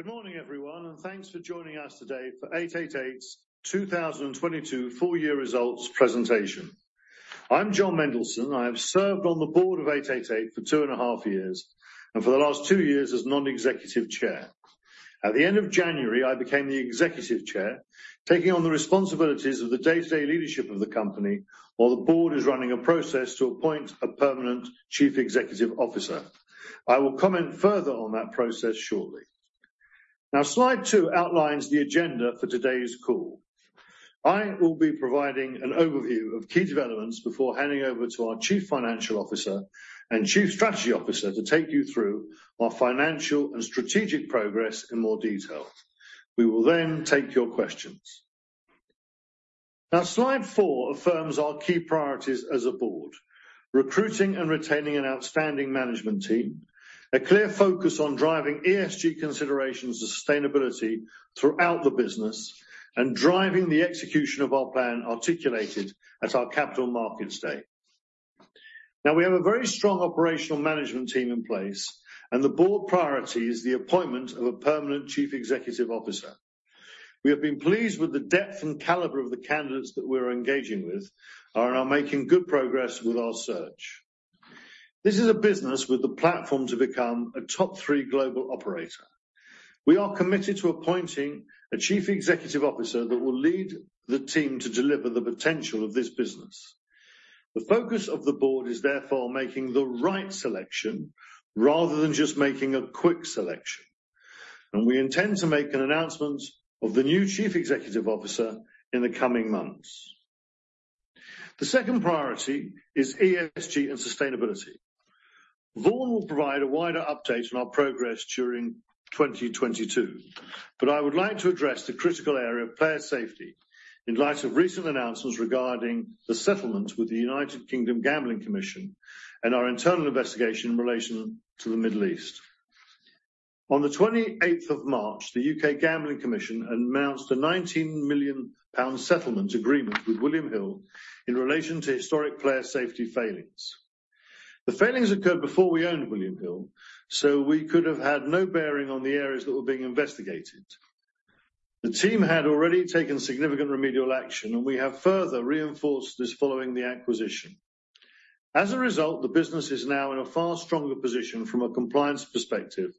Good morning, everyone, thanks for joining us today for 888's 2022 full year results presentation. I'm Jon Mendelsohn. I have served on the board of 888 for two and a half years, and for the last two years as non-executive chair. At the end of January, I became the executive chair, taking on the responsibilities of the day-to-day leadership of the company while the board is running a process to appoint a permanent chief executive officer. I will comment further on that process shortly. Slide two outlines the agenda for today's call. I will be providing an overview of key developments before handing over to our chief financial officer and chief strategy officer to take you through our financial and strategic progress in more detail. We will then take your questions. Slide four affirms our key priorities as a board. Recruiting and retaining an outstanding management team, a clear focus on driving ESG considerations and sustainability throughout the business, and driving the execution of our plan articulated at our Capital Markets Day. We have a very strong operational management team in place, and the board priority is the appointment of a permanent chief executive officer. We have been pleased with the depth and caliber of the candidates that we're engaging with and are making good progress with our search. This is a business with the platform to become a top three global operator. We are committed to appointing a chief executive officer that will lead the team to deliver the potential of this business. The focus of the board is therefore making the right selection rather than just making a quick selection, and we intend to make an announcement of the new chief executive officer in the coming months. The second priority is ESG and sustainability. Vaughan will provide a wider update on our progress during 2022, but I would like to address the critical area of player safety in light of recent announcements regarding the settlement with the United Kingdom Gambling Commission and our internal investigation in relation to the Middle East. On the 28th of March, the U.K. Gambling Commission announced a GBP 19 million settlement agreement with William Hill in relation to historic player safety failings. The failings occurred before we owned William Hill. We could have had no bearing on the areas that were being investigated. The team had already taken significant remedial action. We have further reinforced this following the acquisition. As a result, the business is now in a far stronger position from a compliance perspective,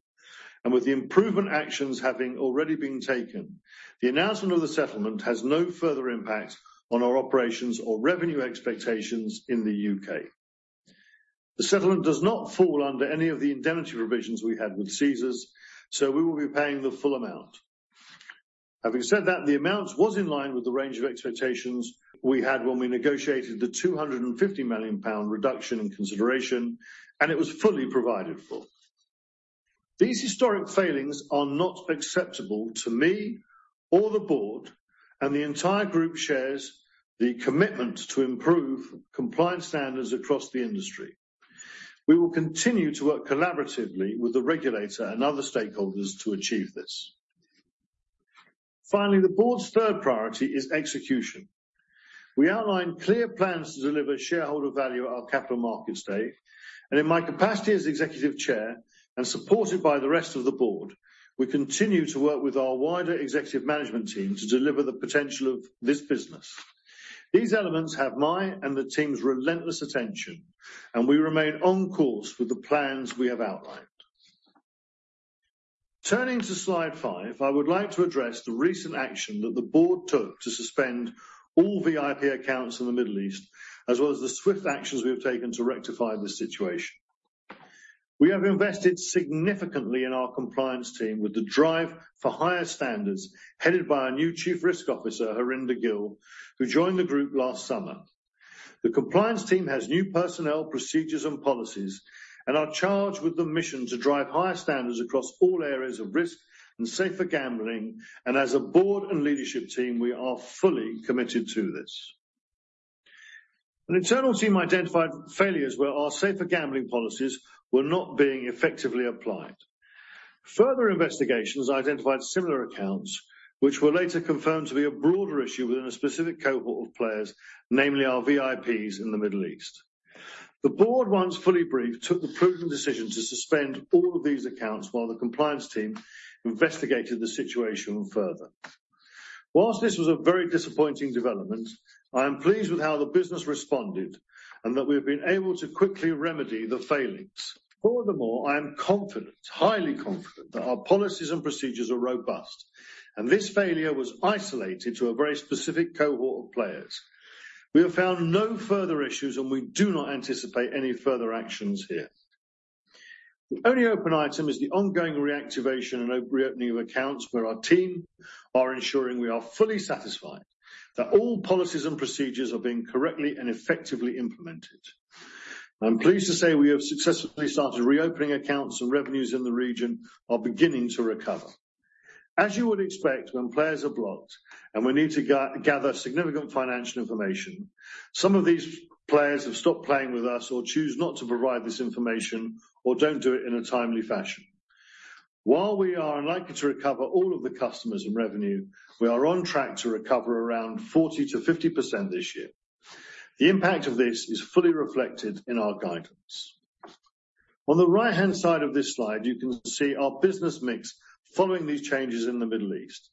and with the improvement actions having already been taken, the announcement of the settlement has no further impact on our operations or revenue expectations in the U.K. The settlement does not fall under any of the indemnity provisions we had with Caesars, so we will be paying the full amount. Having said that, the amount was in line with the range of expectations we had when we negotiated the 250 million pound reduction in consideration, and it was fully provided for. These historic failings are not acceptable to me or the board, and the entire group shares the commitment to improve compliance standards across the industry. We will continue to work collaboratively with the regulator and other stakeholders to achieve this. Finally, the board's third priority is execution. We outlined clear plans to deliver shareholder value at our Capital Markets Day, in my capacity as Executive Chair and supported by the rest of the board, we continue to work with our wider executive management team to deliver the potential of this business. These elements have my and the team's relentless attention, we remain on course with the plans we have outlined. Turning to slide five, I would like to address the recent action that the board took to suspend all VIP accounts in the Middle East, as well as the swift actions we have taken to rectify this situation. We have invested significantly in our compliance team with the drive for higher standards, headed by our new Chief Risk Officer, Harinder Gill, who joined the group last summer. The compliance team has new personnel, procedures, and policies and are charged with the mission to drive higher standards across all areas of risk and safer gambling, and as a board and leadership team, we are fully committed to this. An internal team identified failures where our safer gambling policies were not being effectively applied. Further investigations identified similar accounts which were later confirmed to be a broader issue within a specific cohort of players, namely our VIPs in the Middle East. The board, once fully briefed, took the prudent decision to suspend all of these accounts while the compliance team investigated the situation further. While this was a very disappointing development, I am pleased with how the business responded and that we've been able to quickly remedy the failings. Furthermore, I am confident, highly confident that our policies and procedures are robust and this failure was isolated to a very specific cohort of players. We have found no further issues, and we do not anticipate any further actions here. The only open item is the ongoing reactivation and opening of accounts where our team are ensuring we are fully satisfied that all policies and procedures are being correctly and effectively implemented. I'm pleased to say we have successfully started reopening accounts and revenues in the region are beginning to recover. As you would expect when players are blocked and we need to gather significant financial information, some of these players have stopped playing with us or choose not to provide this information or don't do it in a timely fashion. While we are unlikely to recover all of the customers and revenue, we are on track to recover around 40%-50% this year. The impact of this is fully reflected in our guidance. On the right-hand side of this slide, you can see our business mix following these changes in the Middle East.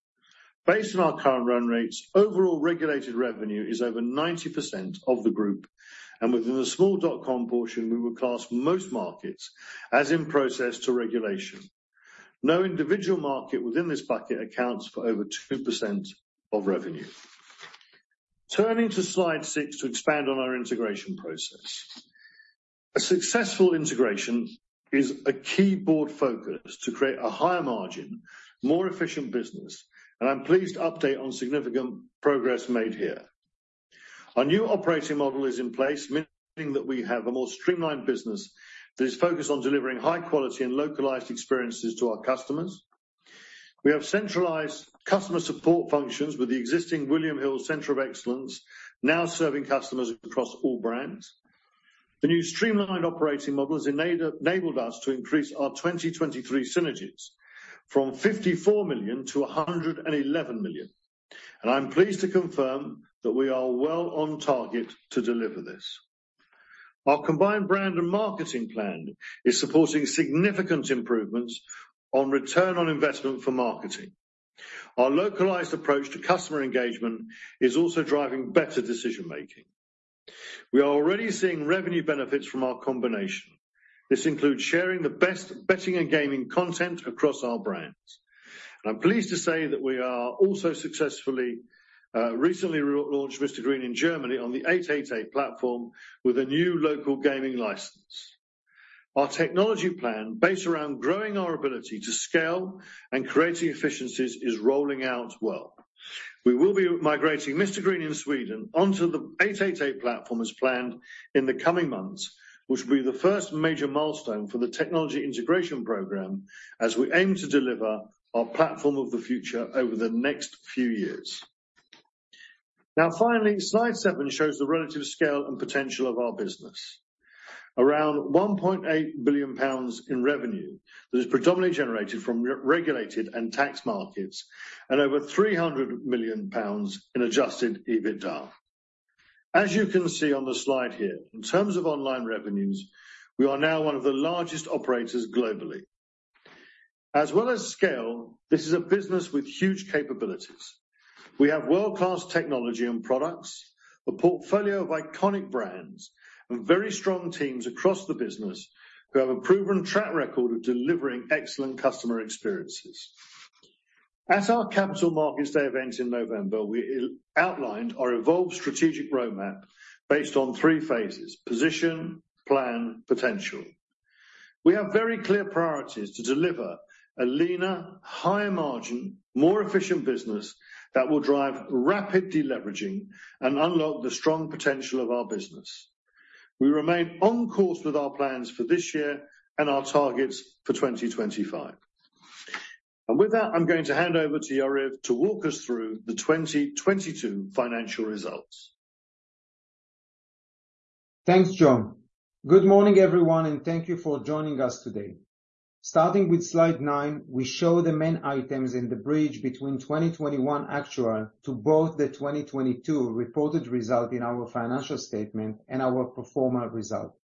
Based on our current run rates, overall regulated revenue is over 90% of the group, and within the small dotcom portion, we would class most markets as in process to regulation. No individual market within this bucket accounts for over 2% of revenue. Turning to slide six to expand on our integration process. A successful integration is a key board focus to create a higher margin, more efficient business, and I'm pleased to update on significant progress made here. Our new operating model is in place, meaning that we have a more streamlined business that is focused on delivering high quality and localized experiences to our customers. We have centralized customer support functions with the existing William Hill Center of Excellence now serving customers across all brands. The new streamlined operating model has enabled us to increase our 2023 synergies from 54 million to 111 million, and I'm pleased to confirm that we are well on target to deliver this. Our combined brand and marketing plan is supporting significant improvements on Return on Investment for marketing. Our localized approach to customer engagement is also driving better decision-making. We are already seeing revenue benefits from our combination. This includes sharing the best betting and gaming content across our brands. I'm pleased to say that we are also successfully recently re-launched Mr Green in Germany on the 888 platform with a new local gaming license. Our technology plan based around growing our ability to scale and creating efficiencies is rolling out well. We will be migrating Mr Green in Sweden onto the 888 platform as planned in the coming months, which will be the first major milestone for the technology integration program as we aim to deliver our platform of the future over the next few years. Now, finally, slide seven shows the relative scale and potential of our business. Around 1.8 billion pounds in revenue that is predominantly generated from re-regulated and tax markets and over 300 million pounds in Adjusted EBITDA. As you can see on the slide here, in terms of online revenues, we are now one of the largest operators globally. As well as scale, this is a business with huge capabilities. We have world-class technology and products, a portfolio of iconic brands, and very strong teams across the business who have a proven track record of delivering excellent customer experiences. At our Capital Markets Day event in November, we outlined our evolved strategic roadmap based on three phases: position, plan, potential. We have very clear priorities to deliver a leaner, higher margin, more efficient business that will drive rapid deleveraging and unlock the strong potential of our business. We remain on course with our plans for this year and our targets for 2025. With that, I'm going to hand over to Yariv to walk us through the 2022 financial results. Thanks, Jon. Good morning, everyone, and thank you for joining us today. Starting with slide nine, we show the main items in the bridge between 2021 actual to both the 2022 reported result in our financial statement and our pro forma result.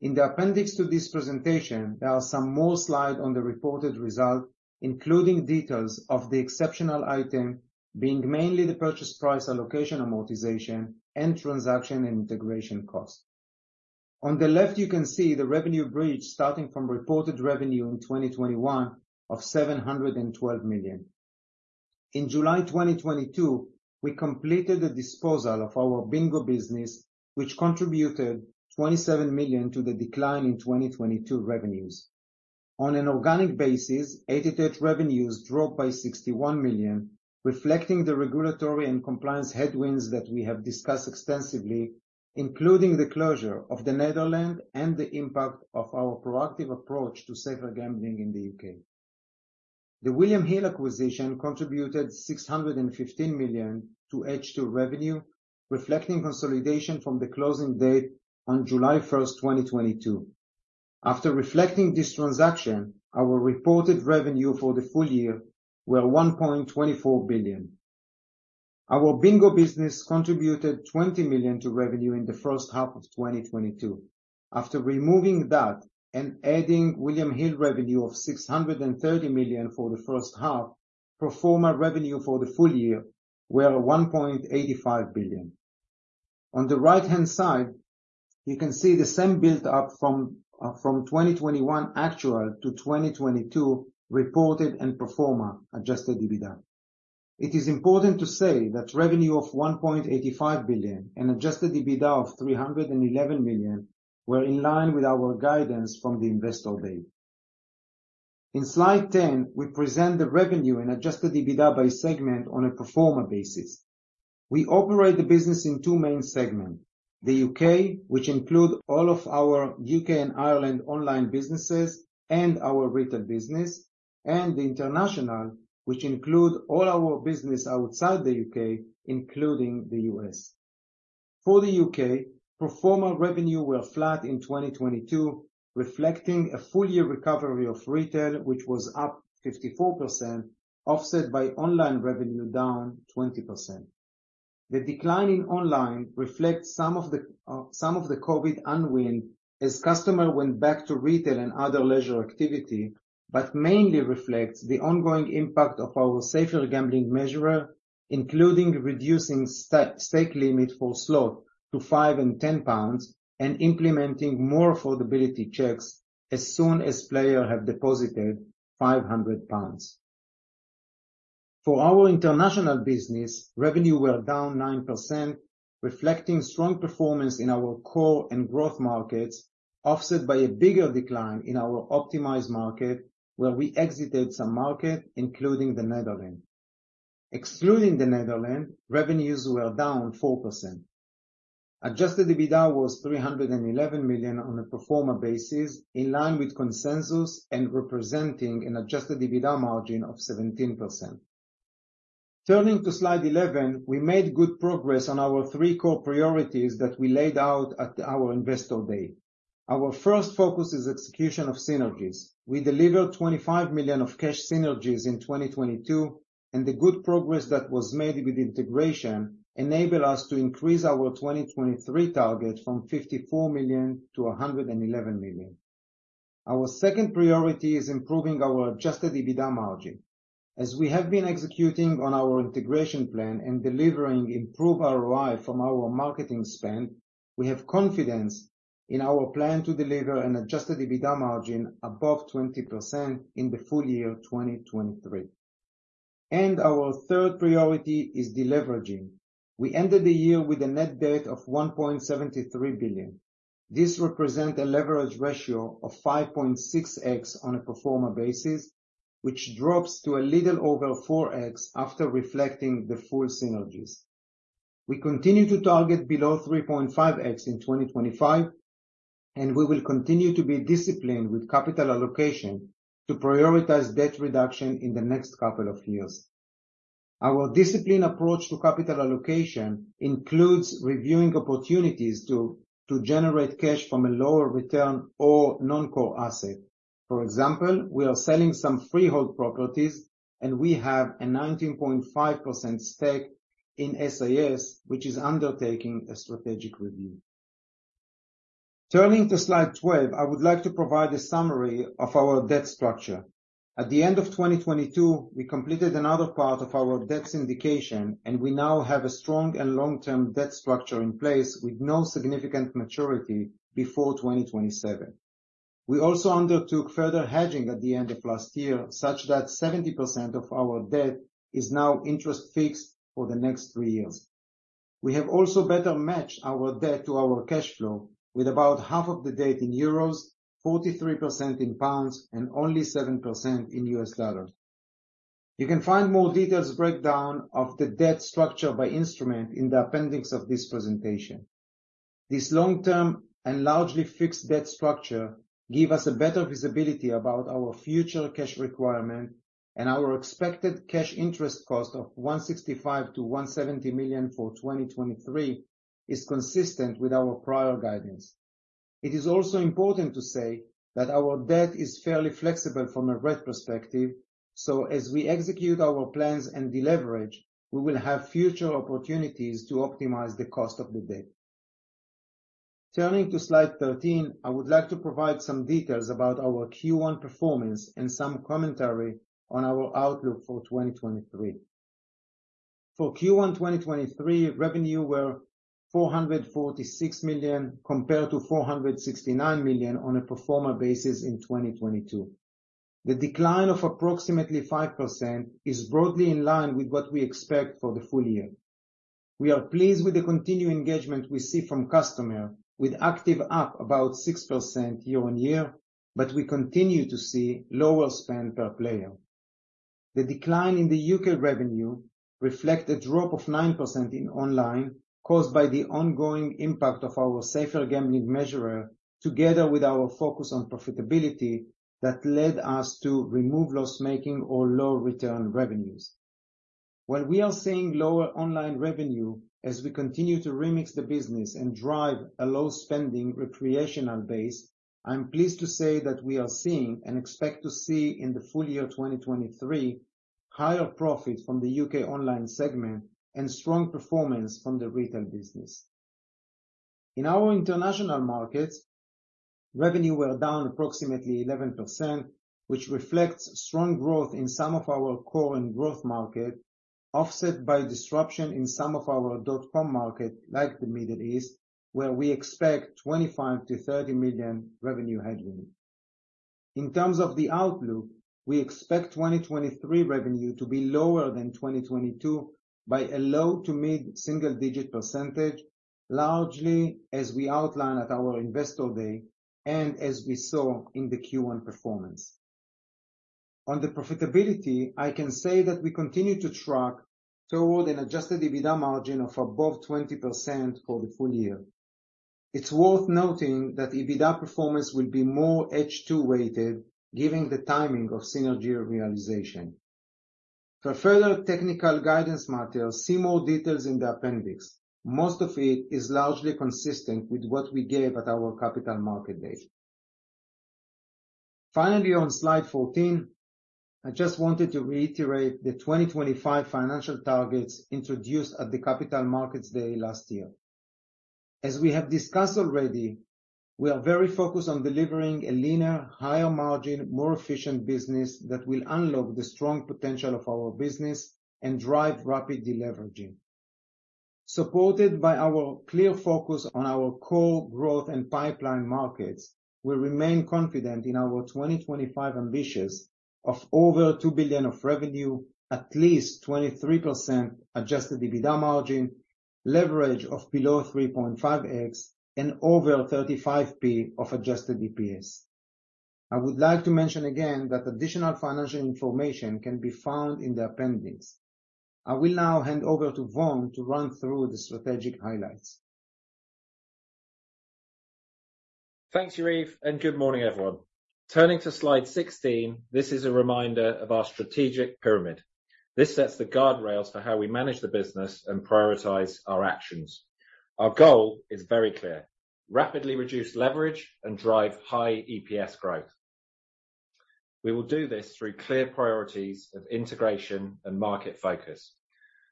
In the appendix to this presentation, there are some more slide on the reported result, including details of the exceptional item being mainly the purchase price allocation amortization and transaction and integration cost. On the left, you can see the revenue bridge starting from reported revenue in 2021 of 712 million. In July 2022, we completed the disposal of our bingo business, which contributed 27 million to the decline in 2022 revenues. On an organic basis, 888 revenues dropped by 61 million, reflecting the regulatory and compliance headwinds that we have discussed extensively, including the closure of the Netherlands and the impact of our proactive approach to safer gambling in the U.K. The William Hill acquisition contributed 615 million to H2 revenue, reflecting consolidation from the closing date on July 1, 2022. After reflecting this transaction, our reported revenue for the full year were 1.24 billion. Our bingo business contributed 20 million to revenue in the first half of 2022. After removing that and adding William Hill revenue of 630 million for the first half, pro forma revenue for the full year were 1.85 billion. On the right-hand side, you can see the same build up from 2021 actual to 2022 reported and pro forma Adjusted EBITDA. It is important to say that revenue of 1.85 billion and Adjusted EBITDA of 311 million were in line with our guidance from the Investor Day. In slide 10, we present the revenue and Adjusted EBITDA by segment on a pro forma basis. We operate the business in two main segments: the U.K., which include all of our U.K. and Ireland online businesses and our retail business, and the international, which include all our business outside the U.K., including the U.S. For the U.K., pro forma revenue were flat in 2022, reflecting a full year recovery of retail, which was up 54%, offset by online revenue down 20%. The decline in online reflects some of the, some of the COVID unwind as customer went back to retail and other leisure activity, but mainly reflects the ongoing impact of our safer gambling measure, including reducing stake limit for slot to 5 and 10 pounds and implementing more affordability checks as soon as player have deposited 500 pounds. For our international business, revenue were down 9%, reflecting strong performance in our core and growth markets, offset by a bigger decline in our optimized market where we exited some market, including the Netherlands. Excluding the Netherlands, revenues were down 4%. Adjusted EBITDA was 311 million on a pro forma basis, in line with consensus and representing an Adjusted EBITDA margin of 17%. Turning to slide 11, we made good progress on our three core priorities that we laid out at our Investor Day. Our first focus is execution of synergies. We delivered 25 million of cash synergies in 2022, and the good progress that was made with integration enabled us to increase our 2023 target from 54 million to 111 million. Our second priority is improving our Adjusted EBITDA margin. As we have been executing on our integration plan and delivering improved ROI from our marketing spend, we have confidence in our plan to deliver an Adjusted EBITDA margin above 20% in the full year 2023 and our third priority is deleveraging. We ended the year with a net debt of 1.73 billion. This represents a leverage ratio of 5.6x on a pro forma basis, which drops to a little over 4x after reflecting the full synergies. We continue to target below 3.5x in 2025, and we will continue to be disciplined with capital allocation to prioritize debt reduction in the next couple of years. Our disciplined approach to capital allocation includes reviewing opportunities to generate cash from a lower return or non-core asset. For example, we are selling some freehold properties, and we have a 19.5% stake in SIS, which is undertaking a strategic review. Turning to slide 12, I would like to provide a summary of our debt structure. At the end of 2022, we completed another part of our debt syndication, and we now have a strong and long-term debt structure in place with no significant maturity before 2027. We also undertook further hedging at the end of last year, such that 70% of our debt is now interest fixed for the next three years. We have also better matched our debt to our cash flow with about half of the debt in euros, 43% in pounds, and only 7% in U.S. dollars. You can find more details breakdown of the debt structure by instrument in the appendix of this presentation. This long-term and largely fixed debt structure give us a better visibility about our future cash requirement and our expected cash interest cost of 165 million-170 million for 2023 is consistent with our prior guidance. It is also important to say that our debt is fairly flexible from a rate perspective, so as we execute our plans and deleverage, we will have future opportunities to optimize the cost of the debt. Turning to slide 13, I would like to provide some details about our Q1 performance and some commentary on our outlook for 2023. For Q1 2023, revenue were 446 million compared to 469 million on a pro forma basis in 2022. The decline of approximately 5% is broadly in line with what we expect for the full year. We are pleased with the continued engagement we see from customer with active up about 6% year-on-year, but we continue to see lower spend per player. The decline in the U.K. revenue reflect a drop of 9% in online caused by the ongoing impact of our safer gambling measure together with our focus on profitability that led us to remove loss-making or low return revenues. While we are seeing lower online revenue as we continue to remix the business and drive a low-spending recreational base, I am pleased to say that we are seeing and expect to see in the full year 2023 higher profits from the U.K. online segment and strong performance from the retail business. In our international markets, revenue were down approximately 11%, which reflects strong growth in some of our core and growth market offset by disruption in some of our dotcom market like the Middle East, where we expect 25 million-30 million revenue headwind. In terms of the outlook, we expect 2023 revenue to be lower than 2022 by a low to mid single-digit percentage, largely as we outlined at our Investor Day and as we saw in the Q1 performance. On the profitability, I can say that we continue to track toward an Adjusted EBITDA margin of above 20% for the full year. It's worth noting that EBITDA performance will be more H2 weighted given the timing of synergy realization. For further technical guidance matters, see more details in the appendix. Most of it is largely consistent with what we gave at our Capital Markets Day. Finally, on slide 14, I just wanted to reiterate the 2025 financial targets introduced at the Capital Markets Day last year. As we have discussed already, we are very focused on delivering a leaner, higher margin, more efficient business that will unlock the strong potential of our business and drive rapid deleveraging. Supported by our clear focus on our core growth and pipeline markets, we remain confident in our 2025 ambitions of over 2 billion of revenue, at least 23% Adjusted EBITDA margin, leverage of below 3.5x, and over 35p of Adjusted DPS. I would like to mention again that additional financial information can be found in the appendix. I will now hand over to Vaughan to run through the strategic highlights. Thanks, Yariv, and good morning, everyone. Turning to slide 16, this is a reminder of our strategic pyramid. This sets the guardrails for how we manage the business and prioritize our actions. Our goal is very clear. Rapidly reduce leverage and drive high EPS growth. We will do this through clear priorities of integration and market focus.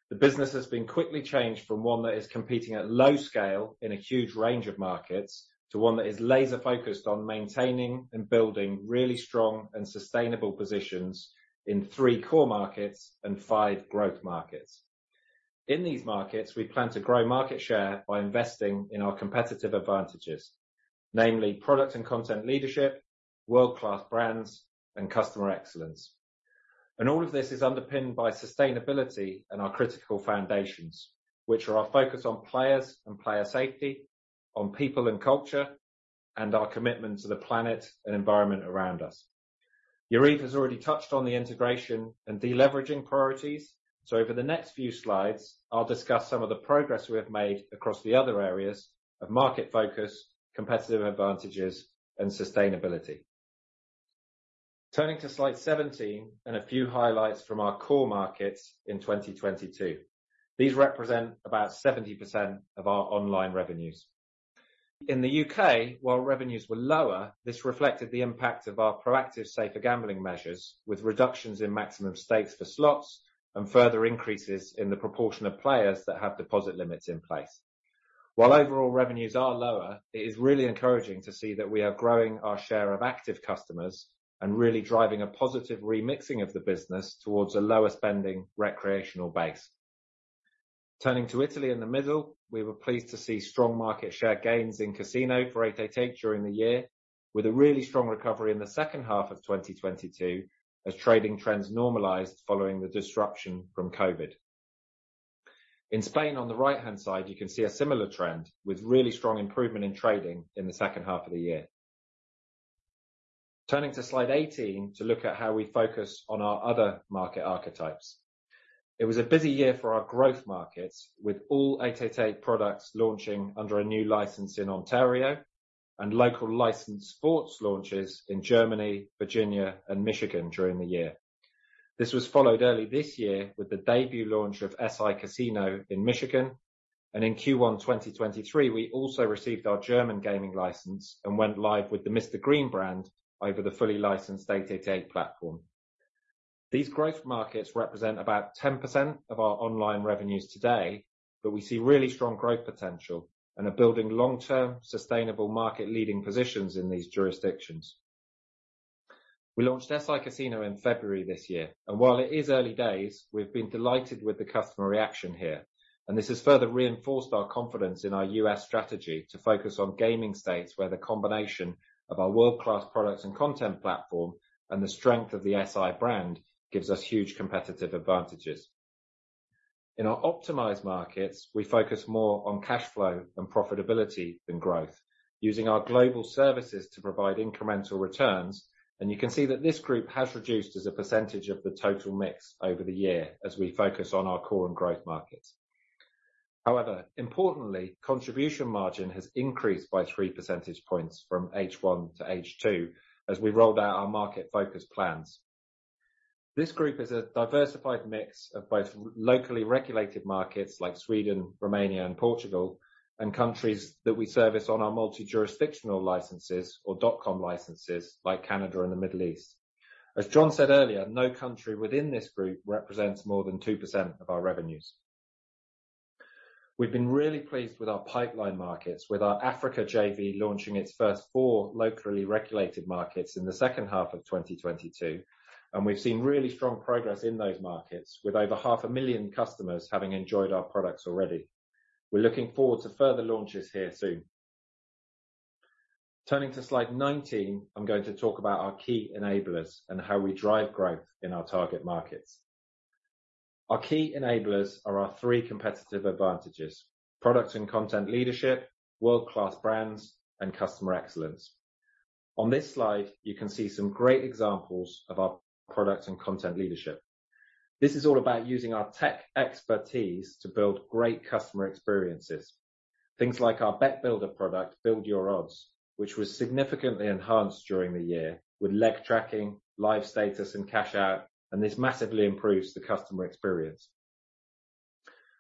The business has been quickly changed from one that is competing at low scale in a huge range of markets to one that is laser-focused on maintaining and building really strong and sustainable positions in three core markets and five growth markets. In these markets, we plan to grow market share by investing in our competitive advantages, namely product and content leadership, world-class brands, and customer excellence. All of this is underpinned by sustainability and our critical foundations, which are our focus on players and player safety, on people and culture, and our commitment to the planet and environment around us. Yariv has already touched on the integration and deleveraging priorities, so over the next few slides, I'll discuss some of the progress we have made across the other areas of market focus, competitive advantages, and sustainability. Turning to slide 17 and a few highlights from our core markets in 2022. These represent about 70% of our online revenues. In the U.K., while revenues were lower, this reflected the impact of our proactive safer gambling measures, with reductions in maximum stakes for slots and further increases in the proportion of players that have deposit limits in place. While overall revenues are lower, it is really encouraging to see that we are growing our share of active customers and really driving a positive remixing of the business towards a lower-spending recreational base. Turning to Italy in the middle, we were pleased to see strong market share gains in casino for 888 during the year, with a really strong recovery in the second half of 2022 as trading trends normalized following the disruption from COVID. In Spain, on the right-hand side, you can see a similar trend with really strong improvement in trading in the second half of the year. Turning to slide 18 to look at how we focus on our other market archetypes. It was a busy year for our growth markets, with all 888 products launching under a new license in Ontario and local licensed sports launches in Germany, Virginia, and Michigan during the year. This was followed early this year with the debut launch of SI Casino in Michigan. In Q1, 2023, we also received our German gaming license and went live with the Mr. Green brand over the fully licensed 888 platform. These growth markets represent about 10% of our online revenues today, but we see really strong growth potential and are building long-term, sustainable market leading positions in these jurisdictions. We launched SI Casino in February this year, while it is early days, we've been delighted with the customer reaction here. This has further reinforced our confidence in our U.S. strategy to focus on gaming states where the combination of our world-class products and content platform and the strength of the SI brand gives us huge competitive advantages. In our optimized markets, we focus more on cash flow and profitability than growth, using our global services to provide incremental returns. You can see that this group has reduced as a percentage of the total mix over the year as we focus on our core and growth markets. However, importantly, contribution margin has increased by 3 percentage points from H1 to H2 as we rolled out our market focus plans. This group is a diversified mix of both locally regulated markets like Sweden, Romania, and Portugal, and countries that we service on our multi-jurisdictional licenses or dotcom licenses like Canada and the Middle East. As Jon said earlier, no country within this group represents more than 2% of our revenues. We've been really pleased with our pipeline markets, with our Africa JV launching its first four locally regulated markets in the second half of 2022, and we've seen really strong progress in those markets, with over half a million customers having enjoyed our products already. We're looking forward to further launches here soon. Turning to slide 19, I'm going to talk about our key enablers and how we drive growth in our target markets. Our key enablers are our three competitive advantages: product and content leadership, world-class brands, and customer excellence. On this slide, you can see some great examples of our product and content leadership. This is all about using our tech expertise to build great customer experiences. Things like our bet builder product, Build Your Odds, which was significantly enhanced during the year with leg tracking, live status, and cash out and this massively improves the customer experience.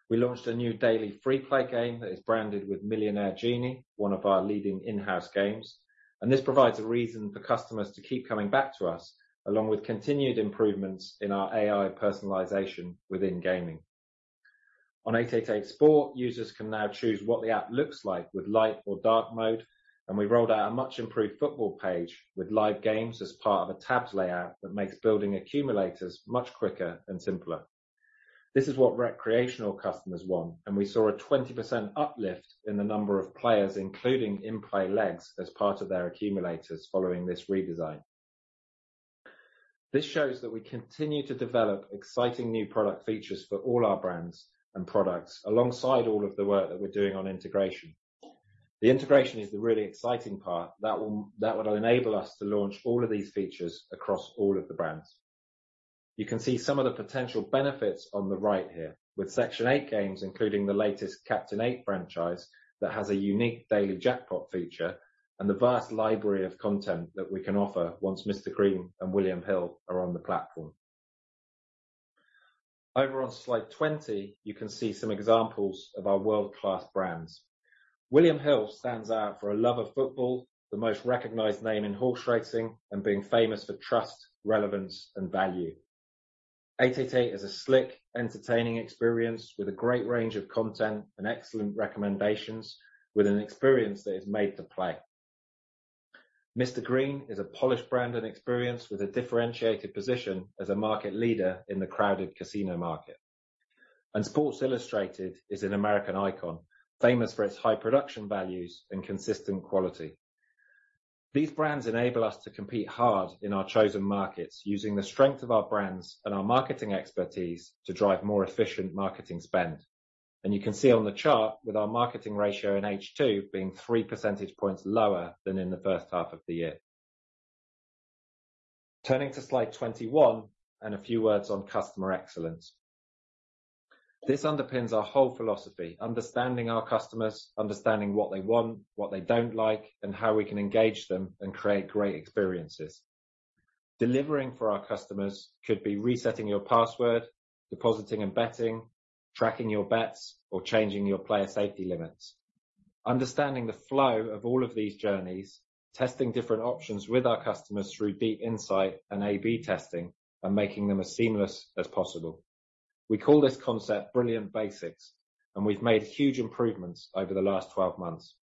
We launched a new daily free play game that is branded with Millionaire Genie, one of our leading in-house games and this provides a reason for customers to keep coming back to us, along with continued improvements in our AI personalization within gaming. On 888sport, users can now choose what the app looks like with light or dark mode and we rolled out a much-improved football page with live games as part of a tabs layout that makes building accumulators much quicker and simpler. This is what recreational customers want and we saw a 20% uplift in the number of players, including in-play legs as part of their accumulators following this redesign. This shows that we continue to develop exciting new product features for all our brands and products alongside all of the work that we're doing on integration. The integration is the really exciting part that would enable us to launch all of these features across all of the brands. You can see some of the potential benefits on the right here with Section8 games, including the latest Captain 8 franchise that has a unique daily jackpot feature and the vast library of content that we can offer once Mr Green and William Hill are on the platform. Over on slide 20, you can see some examples of our world-class brands. William Hill stands out for a love of football, the most recognized name in horse racing, and being famous for trust, relevance, and value. 888 is a slick, entertaining experience with a great range of content and excellent recommendations with an experience that is made to play. Mr Green is a polished brand and experience with a differentiated position as a market leader in the crowded casino market. Sports Illustrated is an American icon, famous for its high production values and consistent quality. These brands enable us to compete hard in our chosen markets using the strength of our brands and our marketing expertise to drive more efficient marketing spend. You can see on the chart with our marketing ratio in H2 being 3 percentage points lower than in the first half of the year. Turning to slide 21 and a few words on customer excellence. This underpins our whole philosophy, understanding our customers, understanding what they want, what they don't like, and how we can engage them and create great experiences. Delivering for our customers could be resetting your password, depositing and betting, tracking your bets, or changing your player safety limits. Understanding the flow of all of these journeys, testing different options with our customers through deep insight and A/B testing, and making them as seamless as possible. We call this concept Brilliant Basics, and we've made huge improvements over the last 12 months.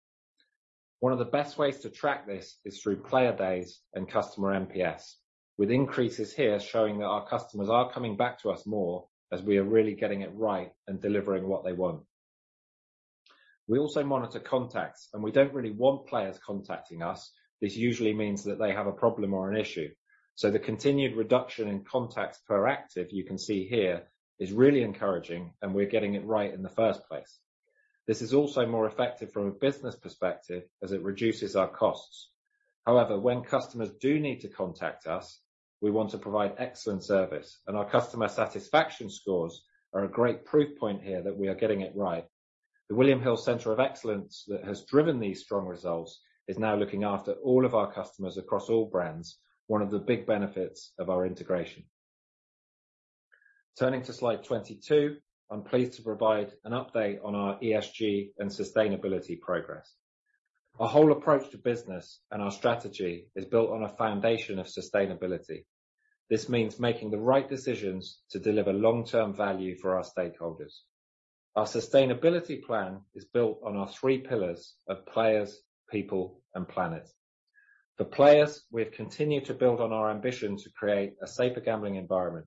One of the best ways to track this is through player days and customer NPS. With increases here showing that our customers are coming back to us more as we are really getting it right and delivering what they want. We also monitor contacts, and we don't really want players contacting us. This usually means that they have a problem or an issue. The continued reduction in contacts per active, you can see here, is really encouraging, and we're getting it right in the first place. This is also more effective from a business perspective as it reduces our costs. However, when customers do need to contact us, we want to provide excellent service, and our customer satisfaction scores are a great proof point here that we are getting it right. The William Hill Center of Excellence that has driven these strong results is now looking after all of our customers across all brands, one of the big benefits of our integration. Turning to slide 22, I'm pleased to provide an update on our ESG and sustainability progress. Our whole approach to business and our strategy is built on a foundation of sustainability. This means making the right decisions to deliver long-term value for our stakeholders. Our sustainability plan is built on our three pillars of players, people, and planet. For players, we've continued to build on our ambition to create a safer gambling environment.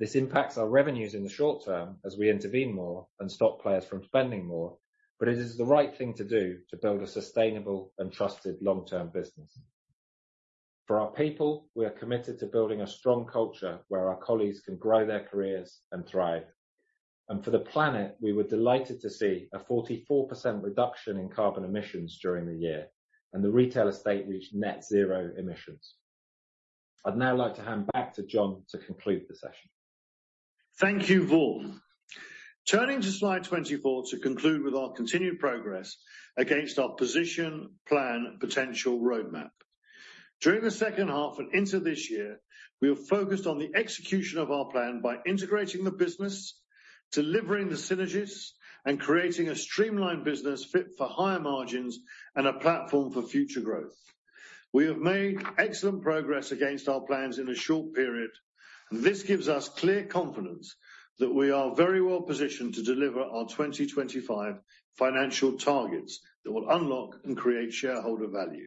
This impacts our revenues in the short term as we intervene more and stop players from spending more, but it is the right thing to do to build a sustainable and trusted long-term business. For our people, we are committed to building a strong culture where our colleagues can grow their careers and thrive. For the planet, we were delighted to see a 44% reduction in carbon emissions during the year, and the retail estate reached net zero emissions. I'd now like to hand back to Jon to conclude the session. Thank you, Vaughan. Turning to slide 24 to conclude with our continued progress against our position, plan, potential roadmap. During the second half and into this year, we have focused on the execution of our plan by integrating the business, delivering the synergies, and creating a streamlined business fit for higher margins and a platform for future growth. We have made excellent progress against our plans in a short period. This gives us clear confidence that we are very well-positioned to deliver our 2025 financial targets that will unlock and create shareholder value.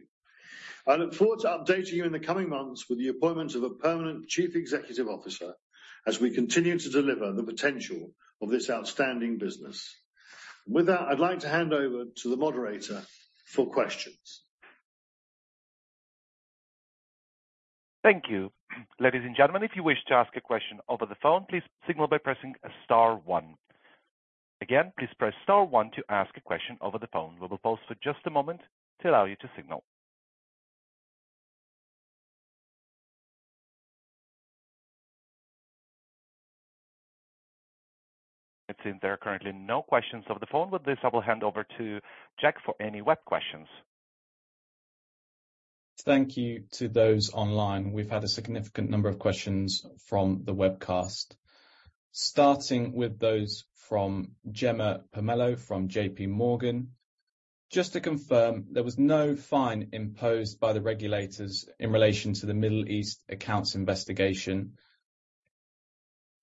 I look forward to updating you in the coming months with the appointment of a permanent chief executive officer as we continue to deliver the potential of this outstanding business. With that, I'd like to hand over to the moderator for questions. Thank you. Ladies and gentlemen, if you wish to ask a question over the phone, please signal by pressing star one. Again, please press star one to ask a question over the phone. We will pause for just a moment to allow you to signal. It seems there are currently no questions over the phone. With this, I will hand over to Jack for any web questions. Thank you to those online. We've had a significant number of questions from the webcast. Starting with those from Jemma Permalloo from JPMorgan. Just to confirm, there was no fine imposed by the regulators in relation to the Middle East accounts investigation.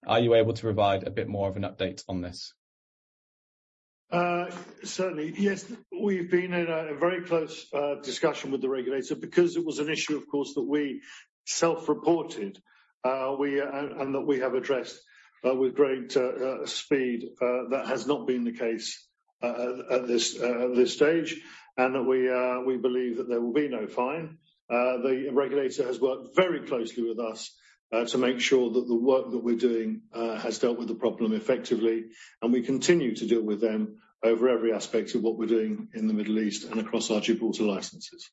Are you able to provide a bit more of an update on this? Certainly, yes. We've been in a very close discussion with the regulator because it was an issue, of course, that we self-reported, and that we have addressed with great speed, that has not been the case at this stage, and that we believe that there will be no fine. The regulator has worked very closely with us to make sure that the work that we're doing has dealt with the problem effectively, and we continue to deal with them over every aspect of what we're doing in the Middle East and across our Gibraltar licenses.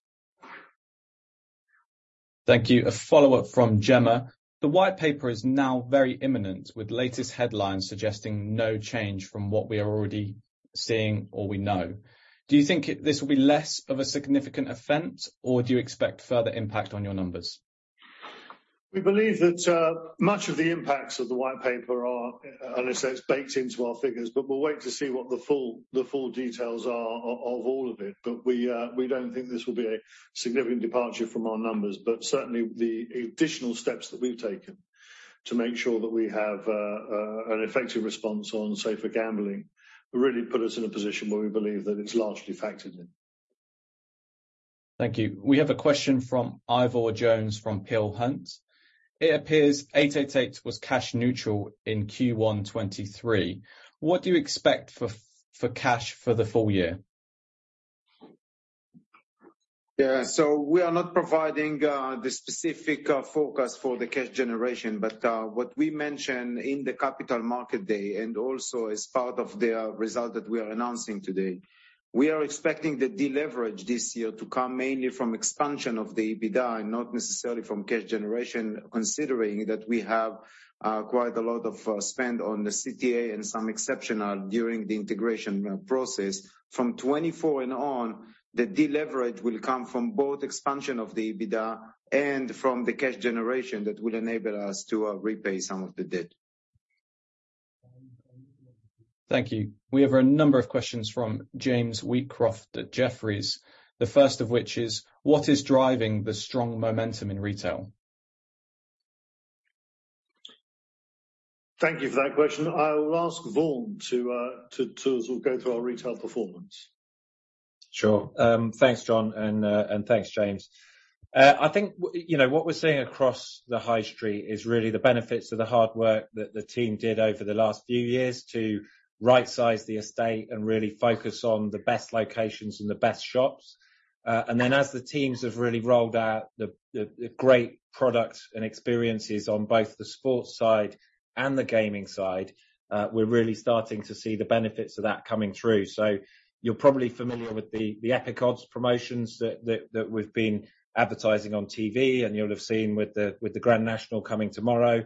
Thank you. A follow-up from Jemma. The White Paper is now very imminent, with latest headlines suggesting no change from what we are already seeing or we know. Do you think this will be less of a significant event, or do you expect further impact on your numbers? We believe that much of the impacts of the White Paper are, as I say, it's baked into our figures, but we'll wait to see what the full details are of all of it. We don't think this will be a significant departure from our numbers. Certainly, the additional steps that we've taken to make sure that we have an effective response on safer gambling really put us in a position where we believe that it's largely factored in. Thank you. We have a question from Ivor Jones from Peel Hunt. It appears 888 was cash neutral in Q1 2023. What do you expect for cash for the full year? We are not providing the specific forecast for the cash generation, but what we mentioned in the Capital Markets Day and also as part of the result that we are announcing today, we are expecting the deleverage this year to come mainly from expansion of the EBITDA and not necessarily from cash generation, considering that we have quite a lot of spend on the CTA and some exceptional during the integration process. From 24 and on, the deleverage will come from both expansion of the EBITDA and from the cash generation that will enable us to repay some of the debt. Thank you. We have a number of questions from James Wheatcroft at Jefferies. The first of which is, what is driving the strong momentum in retail? Thank you for that question. I will ask Vaughan to go through our retail performance. Sure. Thanks, Jon, and thanks, James. I think, you know, what we're seeing across the High Street is really the benefits of the hard work that the team did over the last few years to right-size the estate and really focus on the best locations and the best shops. Then as the teams have really rolled out the great products and experiences on both the sports side and the gaming side, we're really starting to see the benefits of that coming through. You're probably familiar with the Epic Odds promotions that we've been advertising on TV and you'll have seen with the Grand National coming tomorrow.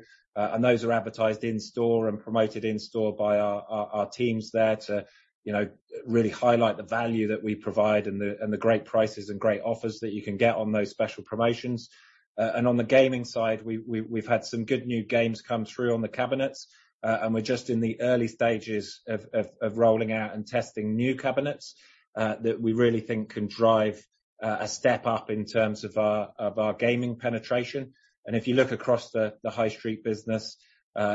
Those are advertised in-store and promoted in-store by our teams there to, you know, really highlight the value that we provide and the great prices and great offers that you can get on those special promotions. On the gaming side, we've had some good new games come through on the cabinets. We're just in the early stages of rolling out and testing new cabinets that we really think can drive a step up in terms of our gaming penetration. If you look across the High Street business,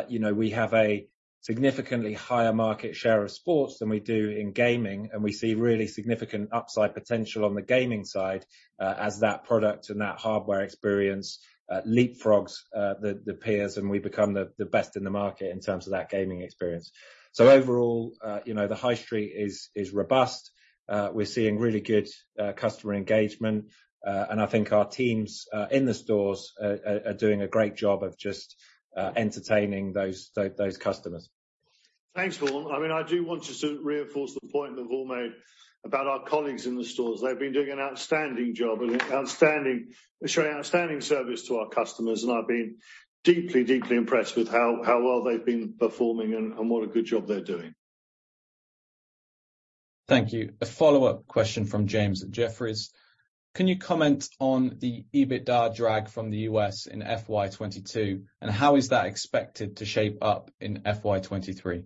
you know, we have a significantly higher market share of sports than we do in gaming, and we see really significant upside potential on the gaming side, as that product and that hardware experience, leapfrogs, the peers, and we become the best in the market in terms of that gaming experience. Overall, you know, the High Street is robust. We're seeing really good customer engagement, and I think our teams in the stores are doing a great job of just entertaining those customers. Thanks, Vaughan. I mean, I do want just to reinforce the point that Vaughan made about our colleagues in the stores. They've been doing an outstanding job, showing outstanding service to our customers. I've been deeply impressed with how well they've been performing and what a good job they're doing. Thank you. A follow-up question from James at Jefferies. Can you comment on the EBITDA drag from the U.S. in FY 2022, and how is that expected to shape up in FY 2023?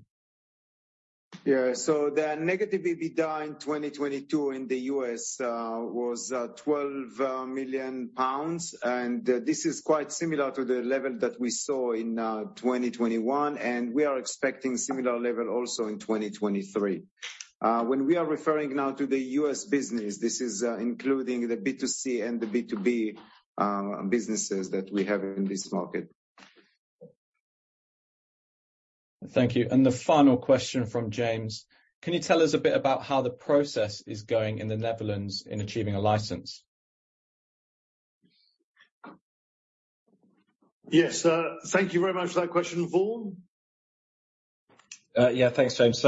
Yeah. The negative EBITDA in 2022 in the U.S. was 12 million pounds, and this is quite similar to the level that we saw in 2021, and we are expecting similar level also in 2023. When we are referring now to the U.S. business, this is including the B2C and the B2B businesses that we have in this market. Thank you. The final question from James, can you tell us a bit about how the process is going in the Netherlands in achieving a license? Yes. Thank you very much for that question. Vaughan? Yeah, thanks, James.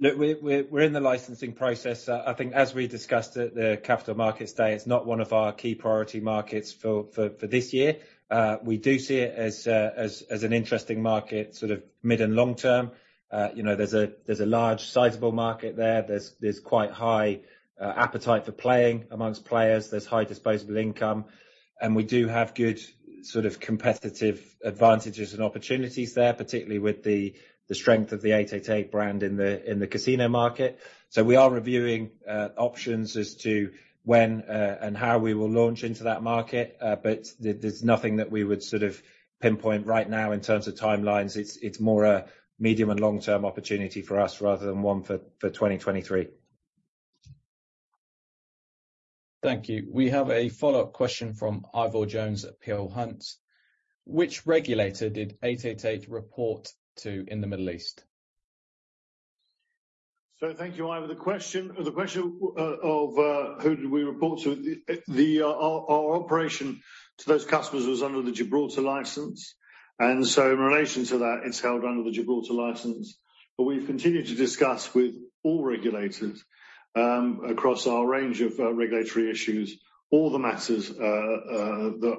Look, we're in the licensing process. I think as we discussed at the Capital Markets Day, it's not one of our key priority markets for this year. We do see it as an interesting market sort of mid and long term. You know, there's a large sizable market there. There's quite high appetite for playing amongst players. There's high disposable income, and we do have good sort of competitive advantages and opportunities there, particularly with the strength of the 888 brand in the casino market. We are reviewing options as to when and how we will launch into that market. There's nothing that we would sort of pinpoint right now in terms of timelines. It's more a medium and long-term opportunity for us rather than one for 2023. Thank you. We have a follow-up question from Ivor Jones at Peel Hunt. Which regulator did 888 report to in the Middle East? Thank you, Ivor. The question of who did we report to? Our operation to those customers was under the Gibraltar license. In relation to that, it's held under the Gibraltar license. We've continued to discuss with all regulators, across our range of regulatory issues, all the matters that,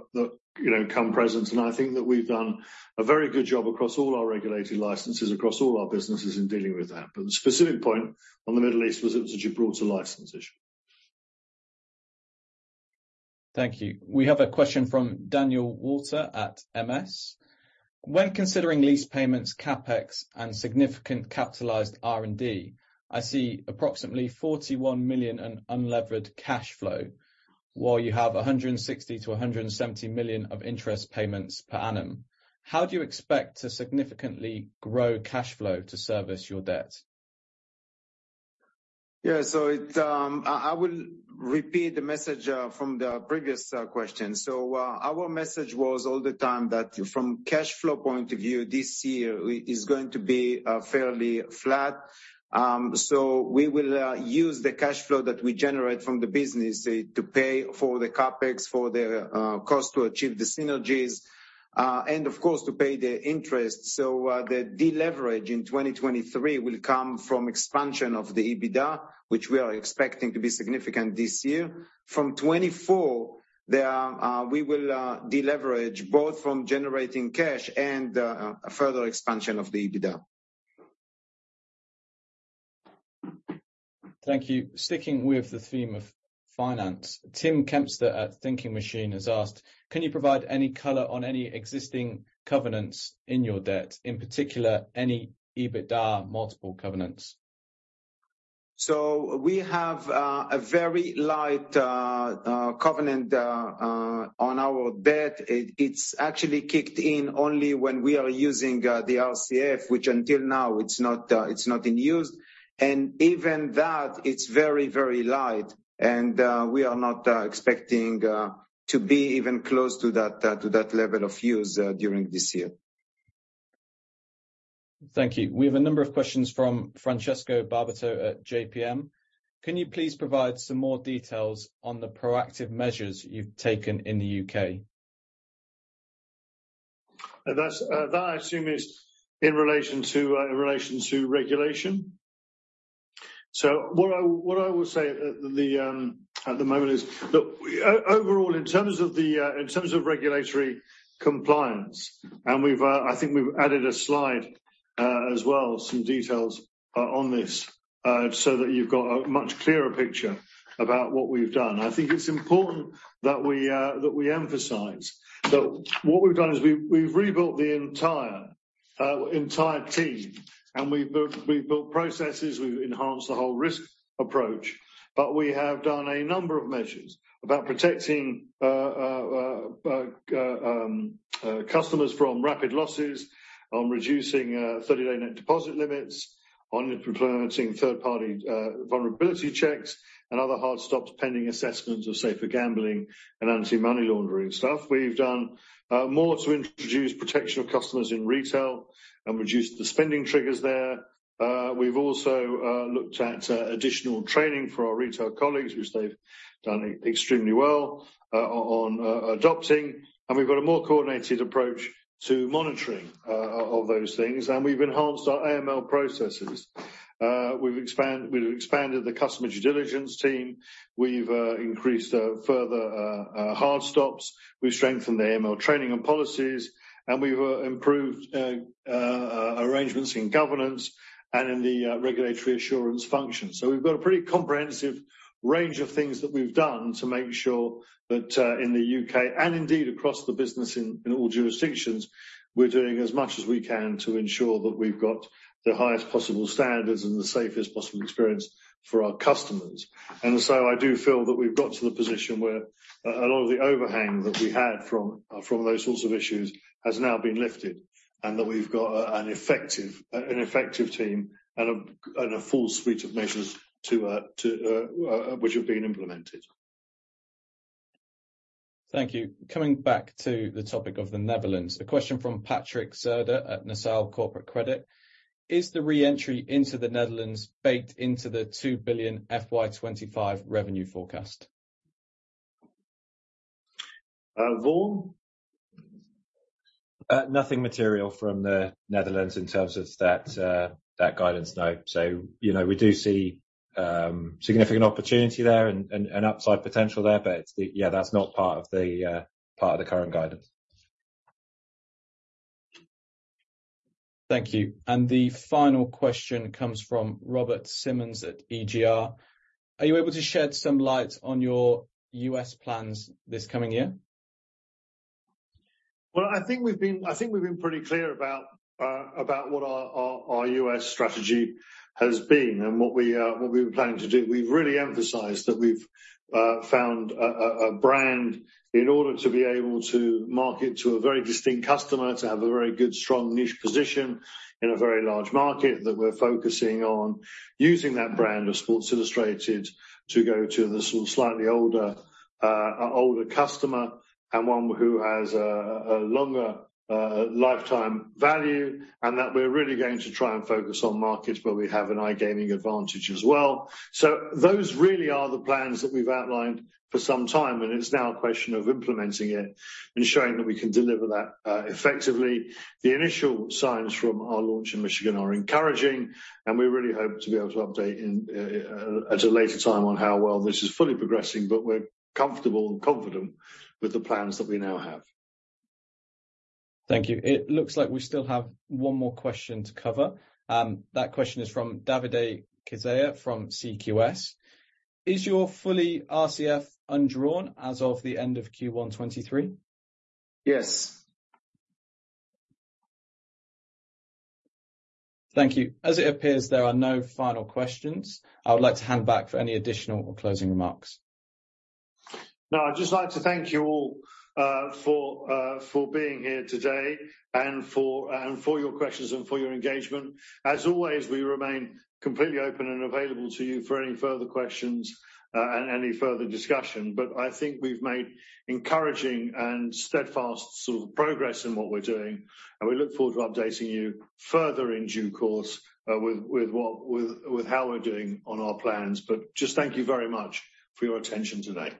you know, come present. I think that we've done a very good job across all our regulated licenses, across all our businesses in dealing with that. The specific point on the Middle East was it was a Gibraltar license issue. Thank you. We have a question from Daniel Walter at MS. When considering lease payments, CapEx and significant capitalized R&D, I see approximately 41 million in unlevered cash flow while you have 160 million-170 million of interest payments per annum. How do you expect to significantly grow cash flow to service your debt? I will repeat the message from the previous question. Our message was all the time that from cash flow point of view, this year is going to be fairly flat. We will use the cash flow that we generate from the business to pay for the CapEx, for the Cost to Achieve the synergies, and of course to pay the interest. The deleverage in 2023 will come from expansion of the EBITDA, which we are expecting to be significant this year. From 2024, there are, we will deleverage both from generating cash and a further expansion of the EBITDA. Thank you. Sticking with the theme of finance, Tim Kempster at Thinking Machine has asked, "Can you provide any color on any existing covenants in your debt, in particular, any EBITDA multiple covenants? We have a very light covenant on our debt. It's actually kicked in only when we are using the RCF, which until now, it's not in use. Even that, it's very, very light and we are not expecting to be even close to that level of use during this year. Thank you. We have a number of questions from Francesco Barbato at JPMorgan. Can you please provide some more details on the proactive measures you've taken in the U.K.? That's, that I assume is in relation to, in relation to regulation. What I would say at the moment is, look, overall, in terms of the, in terms of regulatory compliance, and we've, I think we've added a slide, as well, some details, on this, so that you've got a much clearer picture about what we've done. I think it's important that we emphasize that what we've done is we've rebuilt the entire team and we've built processes, we've enhanced the whole risk approach. We have done a number of measures about protecting customers from rapid losses, on reducing 30-day net deposit limits, on implementing third-party vulnerability checks and other hard stops pending assessments of safer gambling and anti-money laundering stuff. We've done more to introduce protection of customers in retail and reduced the spending triggers there. We've also looked at additional training for our retail colleagues, which they've done extremely well on adopting. We've got a more coordinated approach to monitoring of those things. We've enhanced our AML processes. We've expanded the customer due diligence team. We've increased further hard stops. We've strengthened the AML training and policies, and we've improved arrangements in governance and in the regulatory assurance function. We've got a pretty comprehensive range of things that we've done to make sure that in the U.K. and indeed across the business in all jurisdictions, we're doing as much as we can to ensure that we've got the highest possible standards and the safest possible experience for our customers. I do feel that we've got to the position where a lot of the overhang that we had from from those sorts of issues has now been lifted and that we've got an effective team and a full suite of measures to which have been implemented. Thank you. Coming back to the topic of the Netherlands, a question from Patrick Soede at Nassau Global Credit: Is the re-entry into the Netherlands baked into the 2 billion FY 2025 revenue forecast? Vaughan? Nothing material from the Netherlands in terms of that guidance, no. You know, we do see significant opportunity there and upside potential there, but yeah, that's not part of the current guidance. Thank you. The final question comes from Robert Simmons at EGR. Are you able to shed some light on your U.S. plans this coming year? I think we've been pretty clear about what our U.S. strategy has been and what we were planning to do. We've really emphasized that we've found a brand in order to be able to market to a very distinct customer, to have a very good, strong niche position in a very large market that we're focusing on using that brand of Sports Illustrated to go to the sort of slightly older customer and one who has a longer lifetime value, and that we're really going to try and focus on markets where we have an iGaming advantage as well. Those really are the plans that we've outlined for some time, and it's now a question of implementing it and showing that we can deliver that effectively. The initial signs from our launch in Michigan are encouraging and we really hope to be able to update in, at a later time on how well this is fully progressing, but we're comfortable and confident with the plans that we now have. Thank you. It looks like we still have one more question to cover. That question is from Davide Chiesa from CQS. Is your fully RCF undrawn as of the end of Q1 2023? Yes. Thank you. As it appears there are no final questions, I would like to hand back for any additional or closing remarks. No, I'd just like to thank you all for being here today and for your questions and for your engagement. As always, we remain completely open and available to you for any further questions and any further discussion. I think we've made encouraging and steadfast sort of progress in what we're doing, and we look forward to updating you further in due course with what, with how we're doing on our plans. Just thank you very much for your attention today.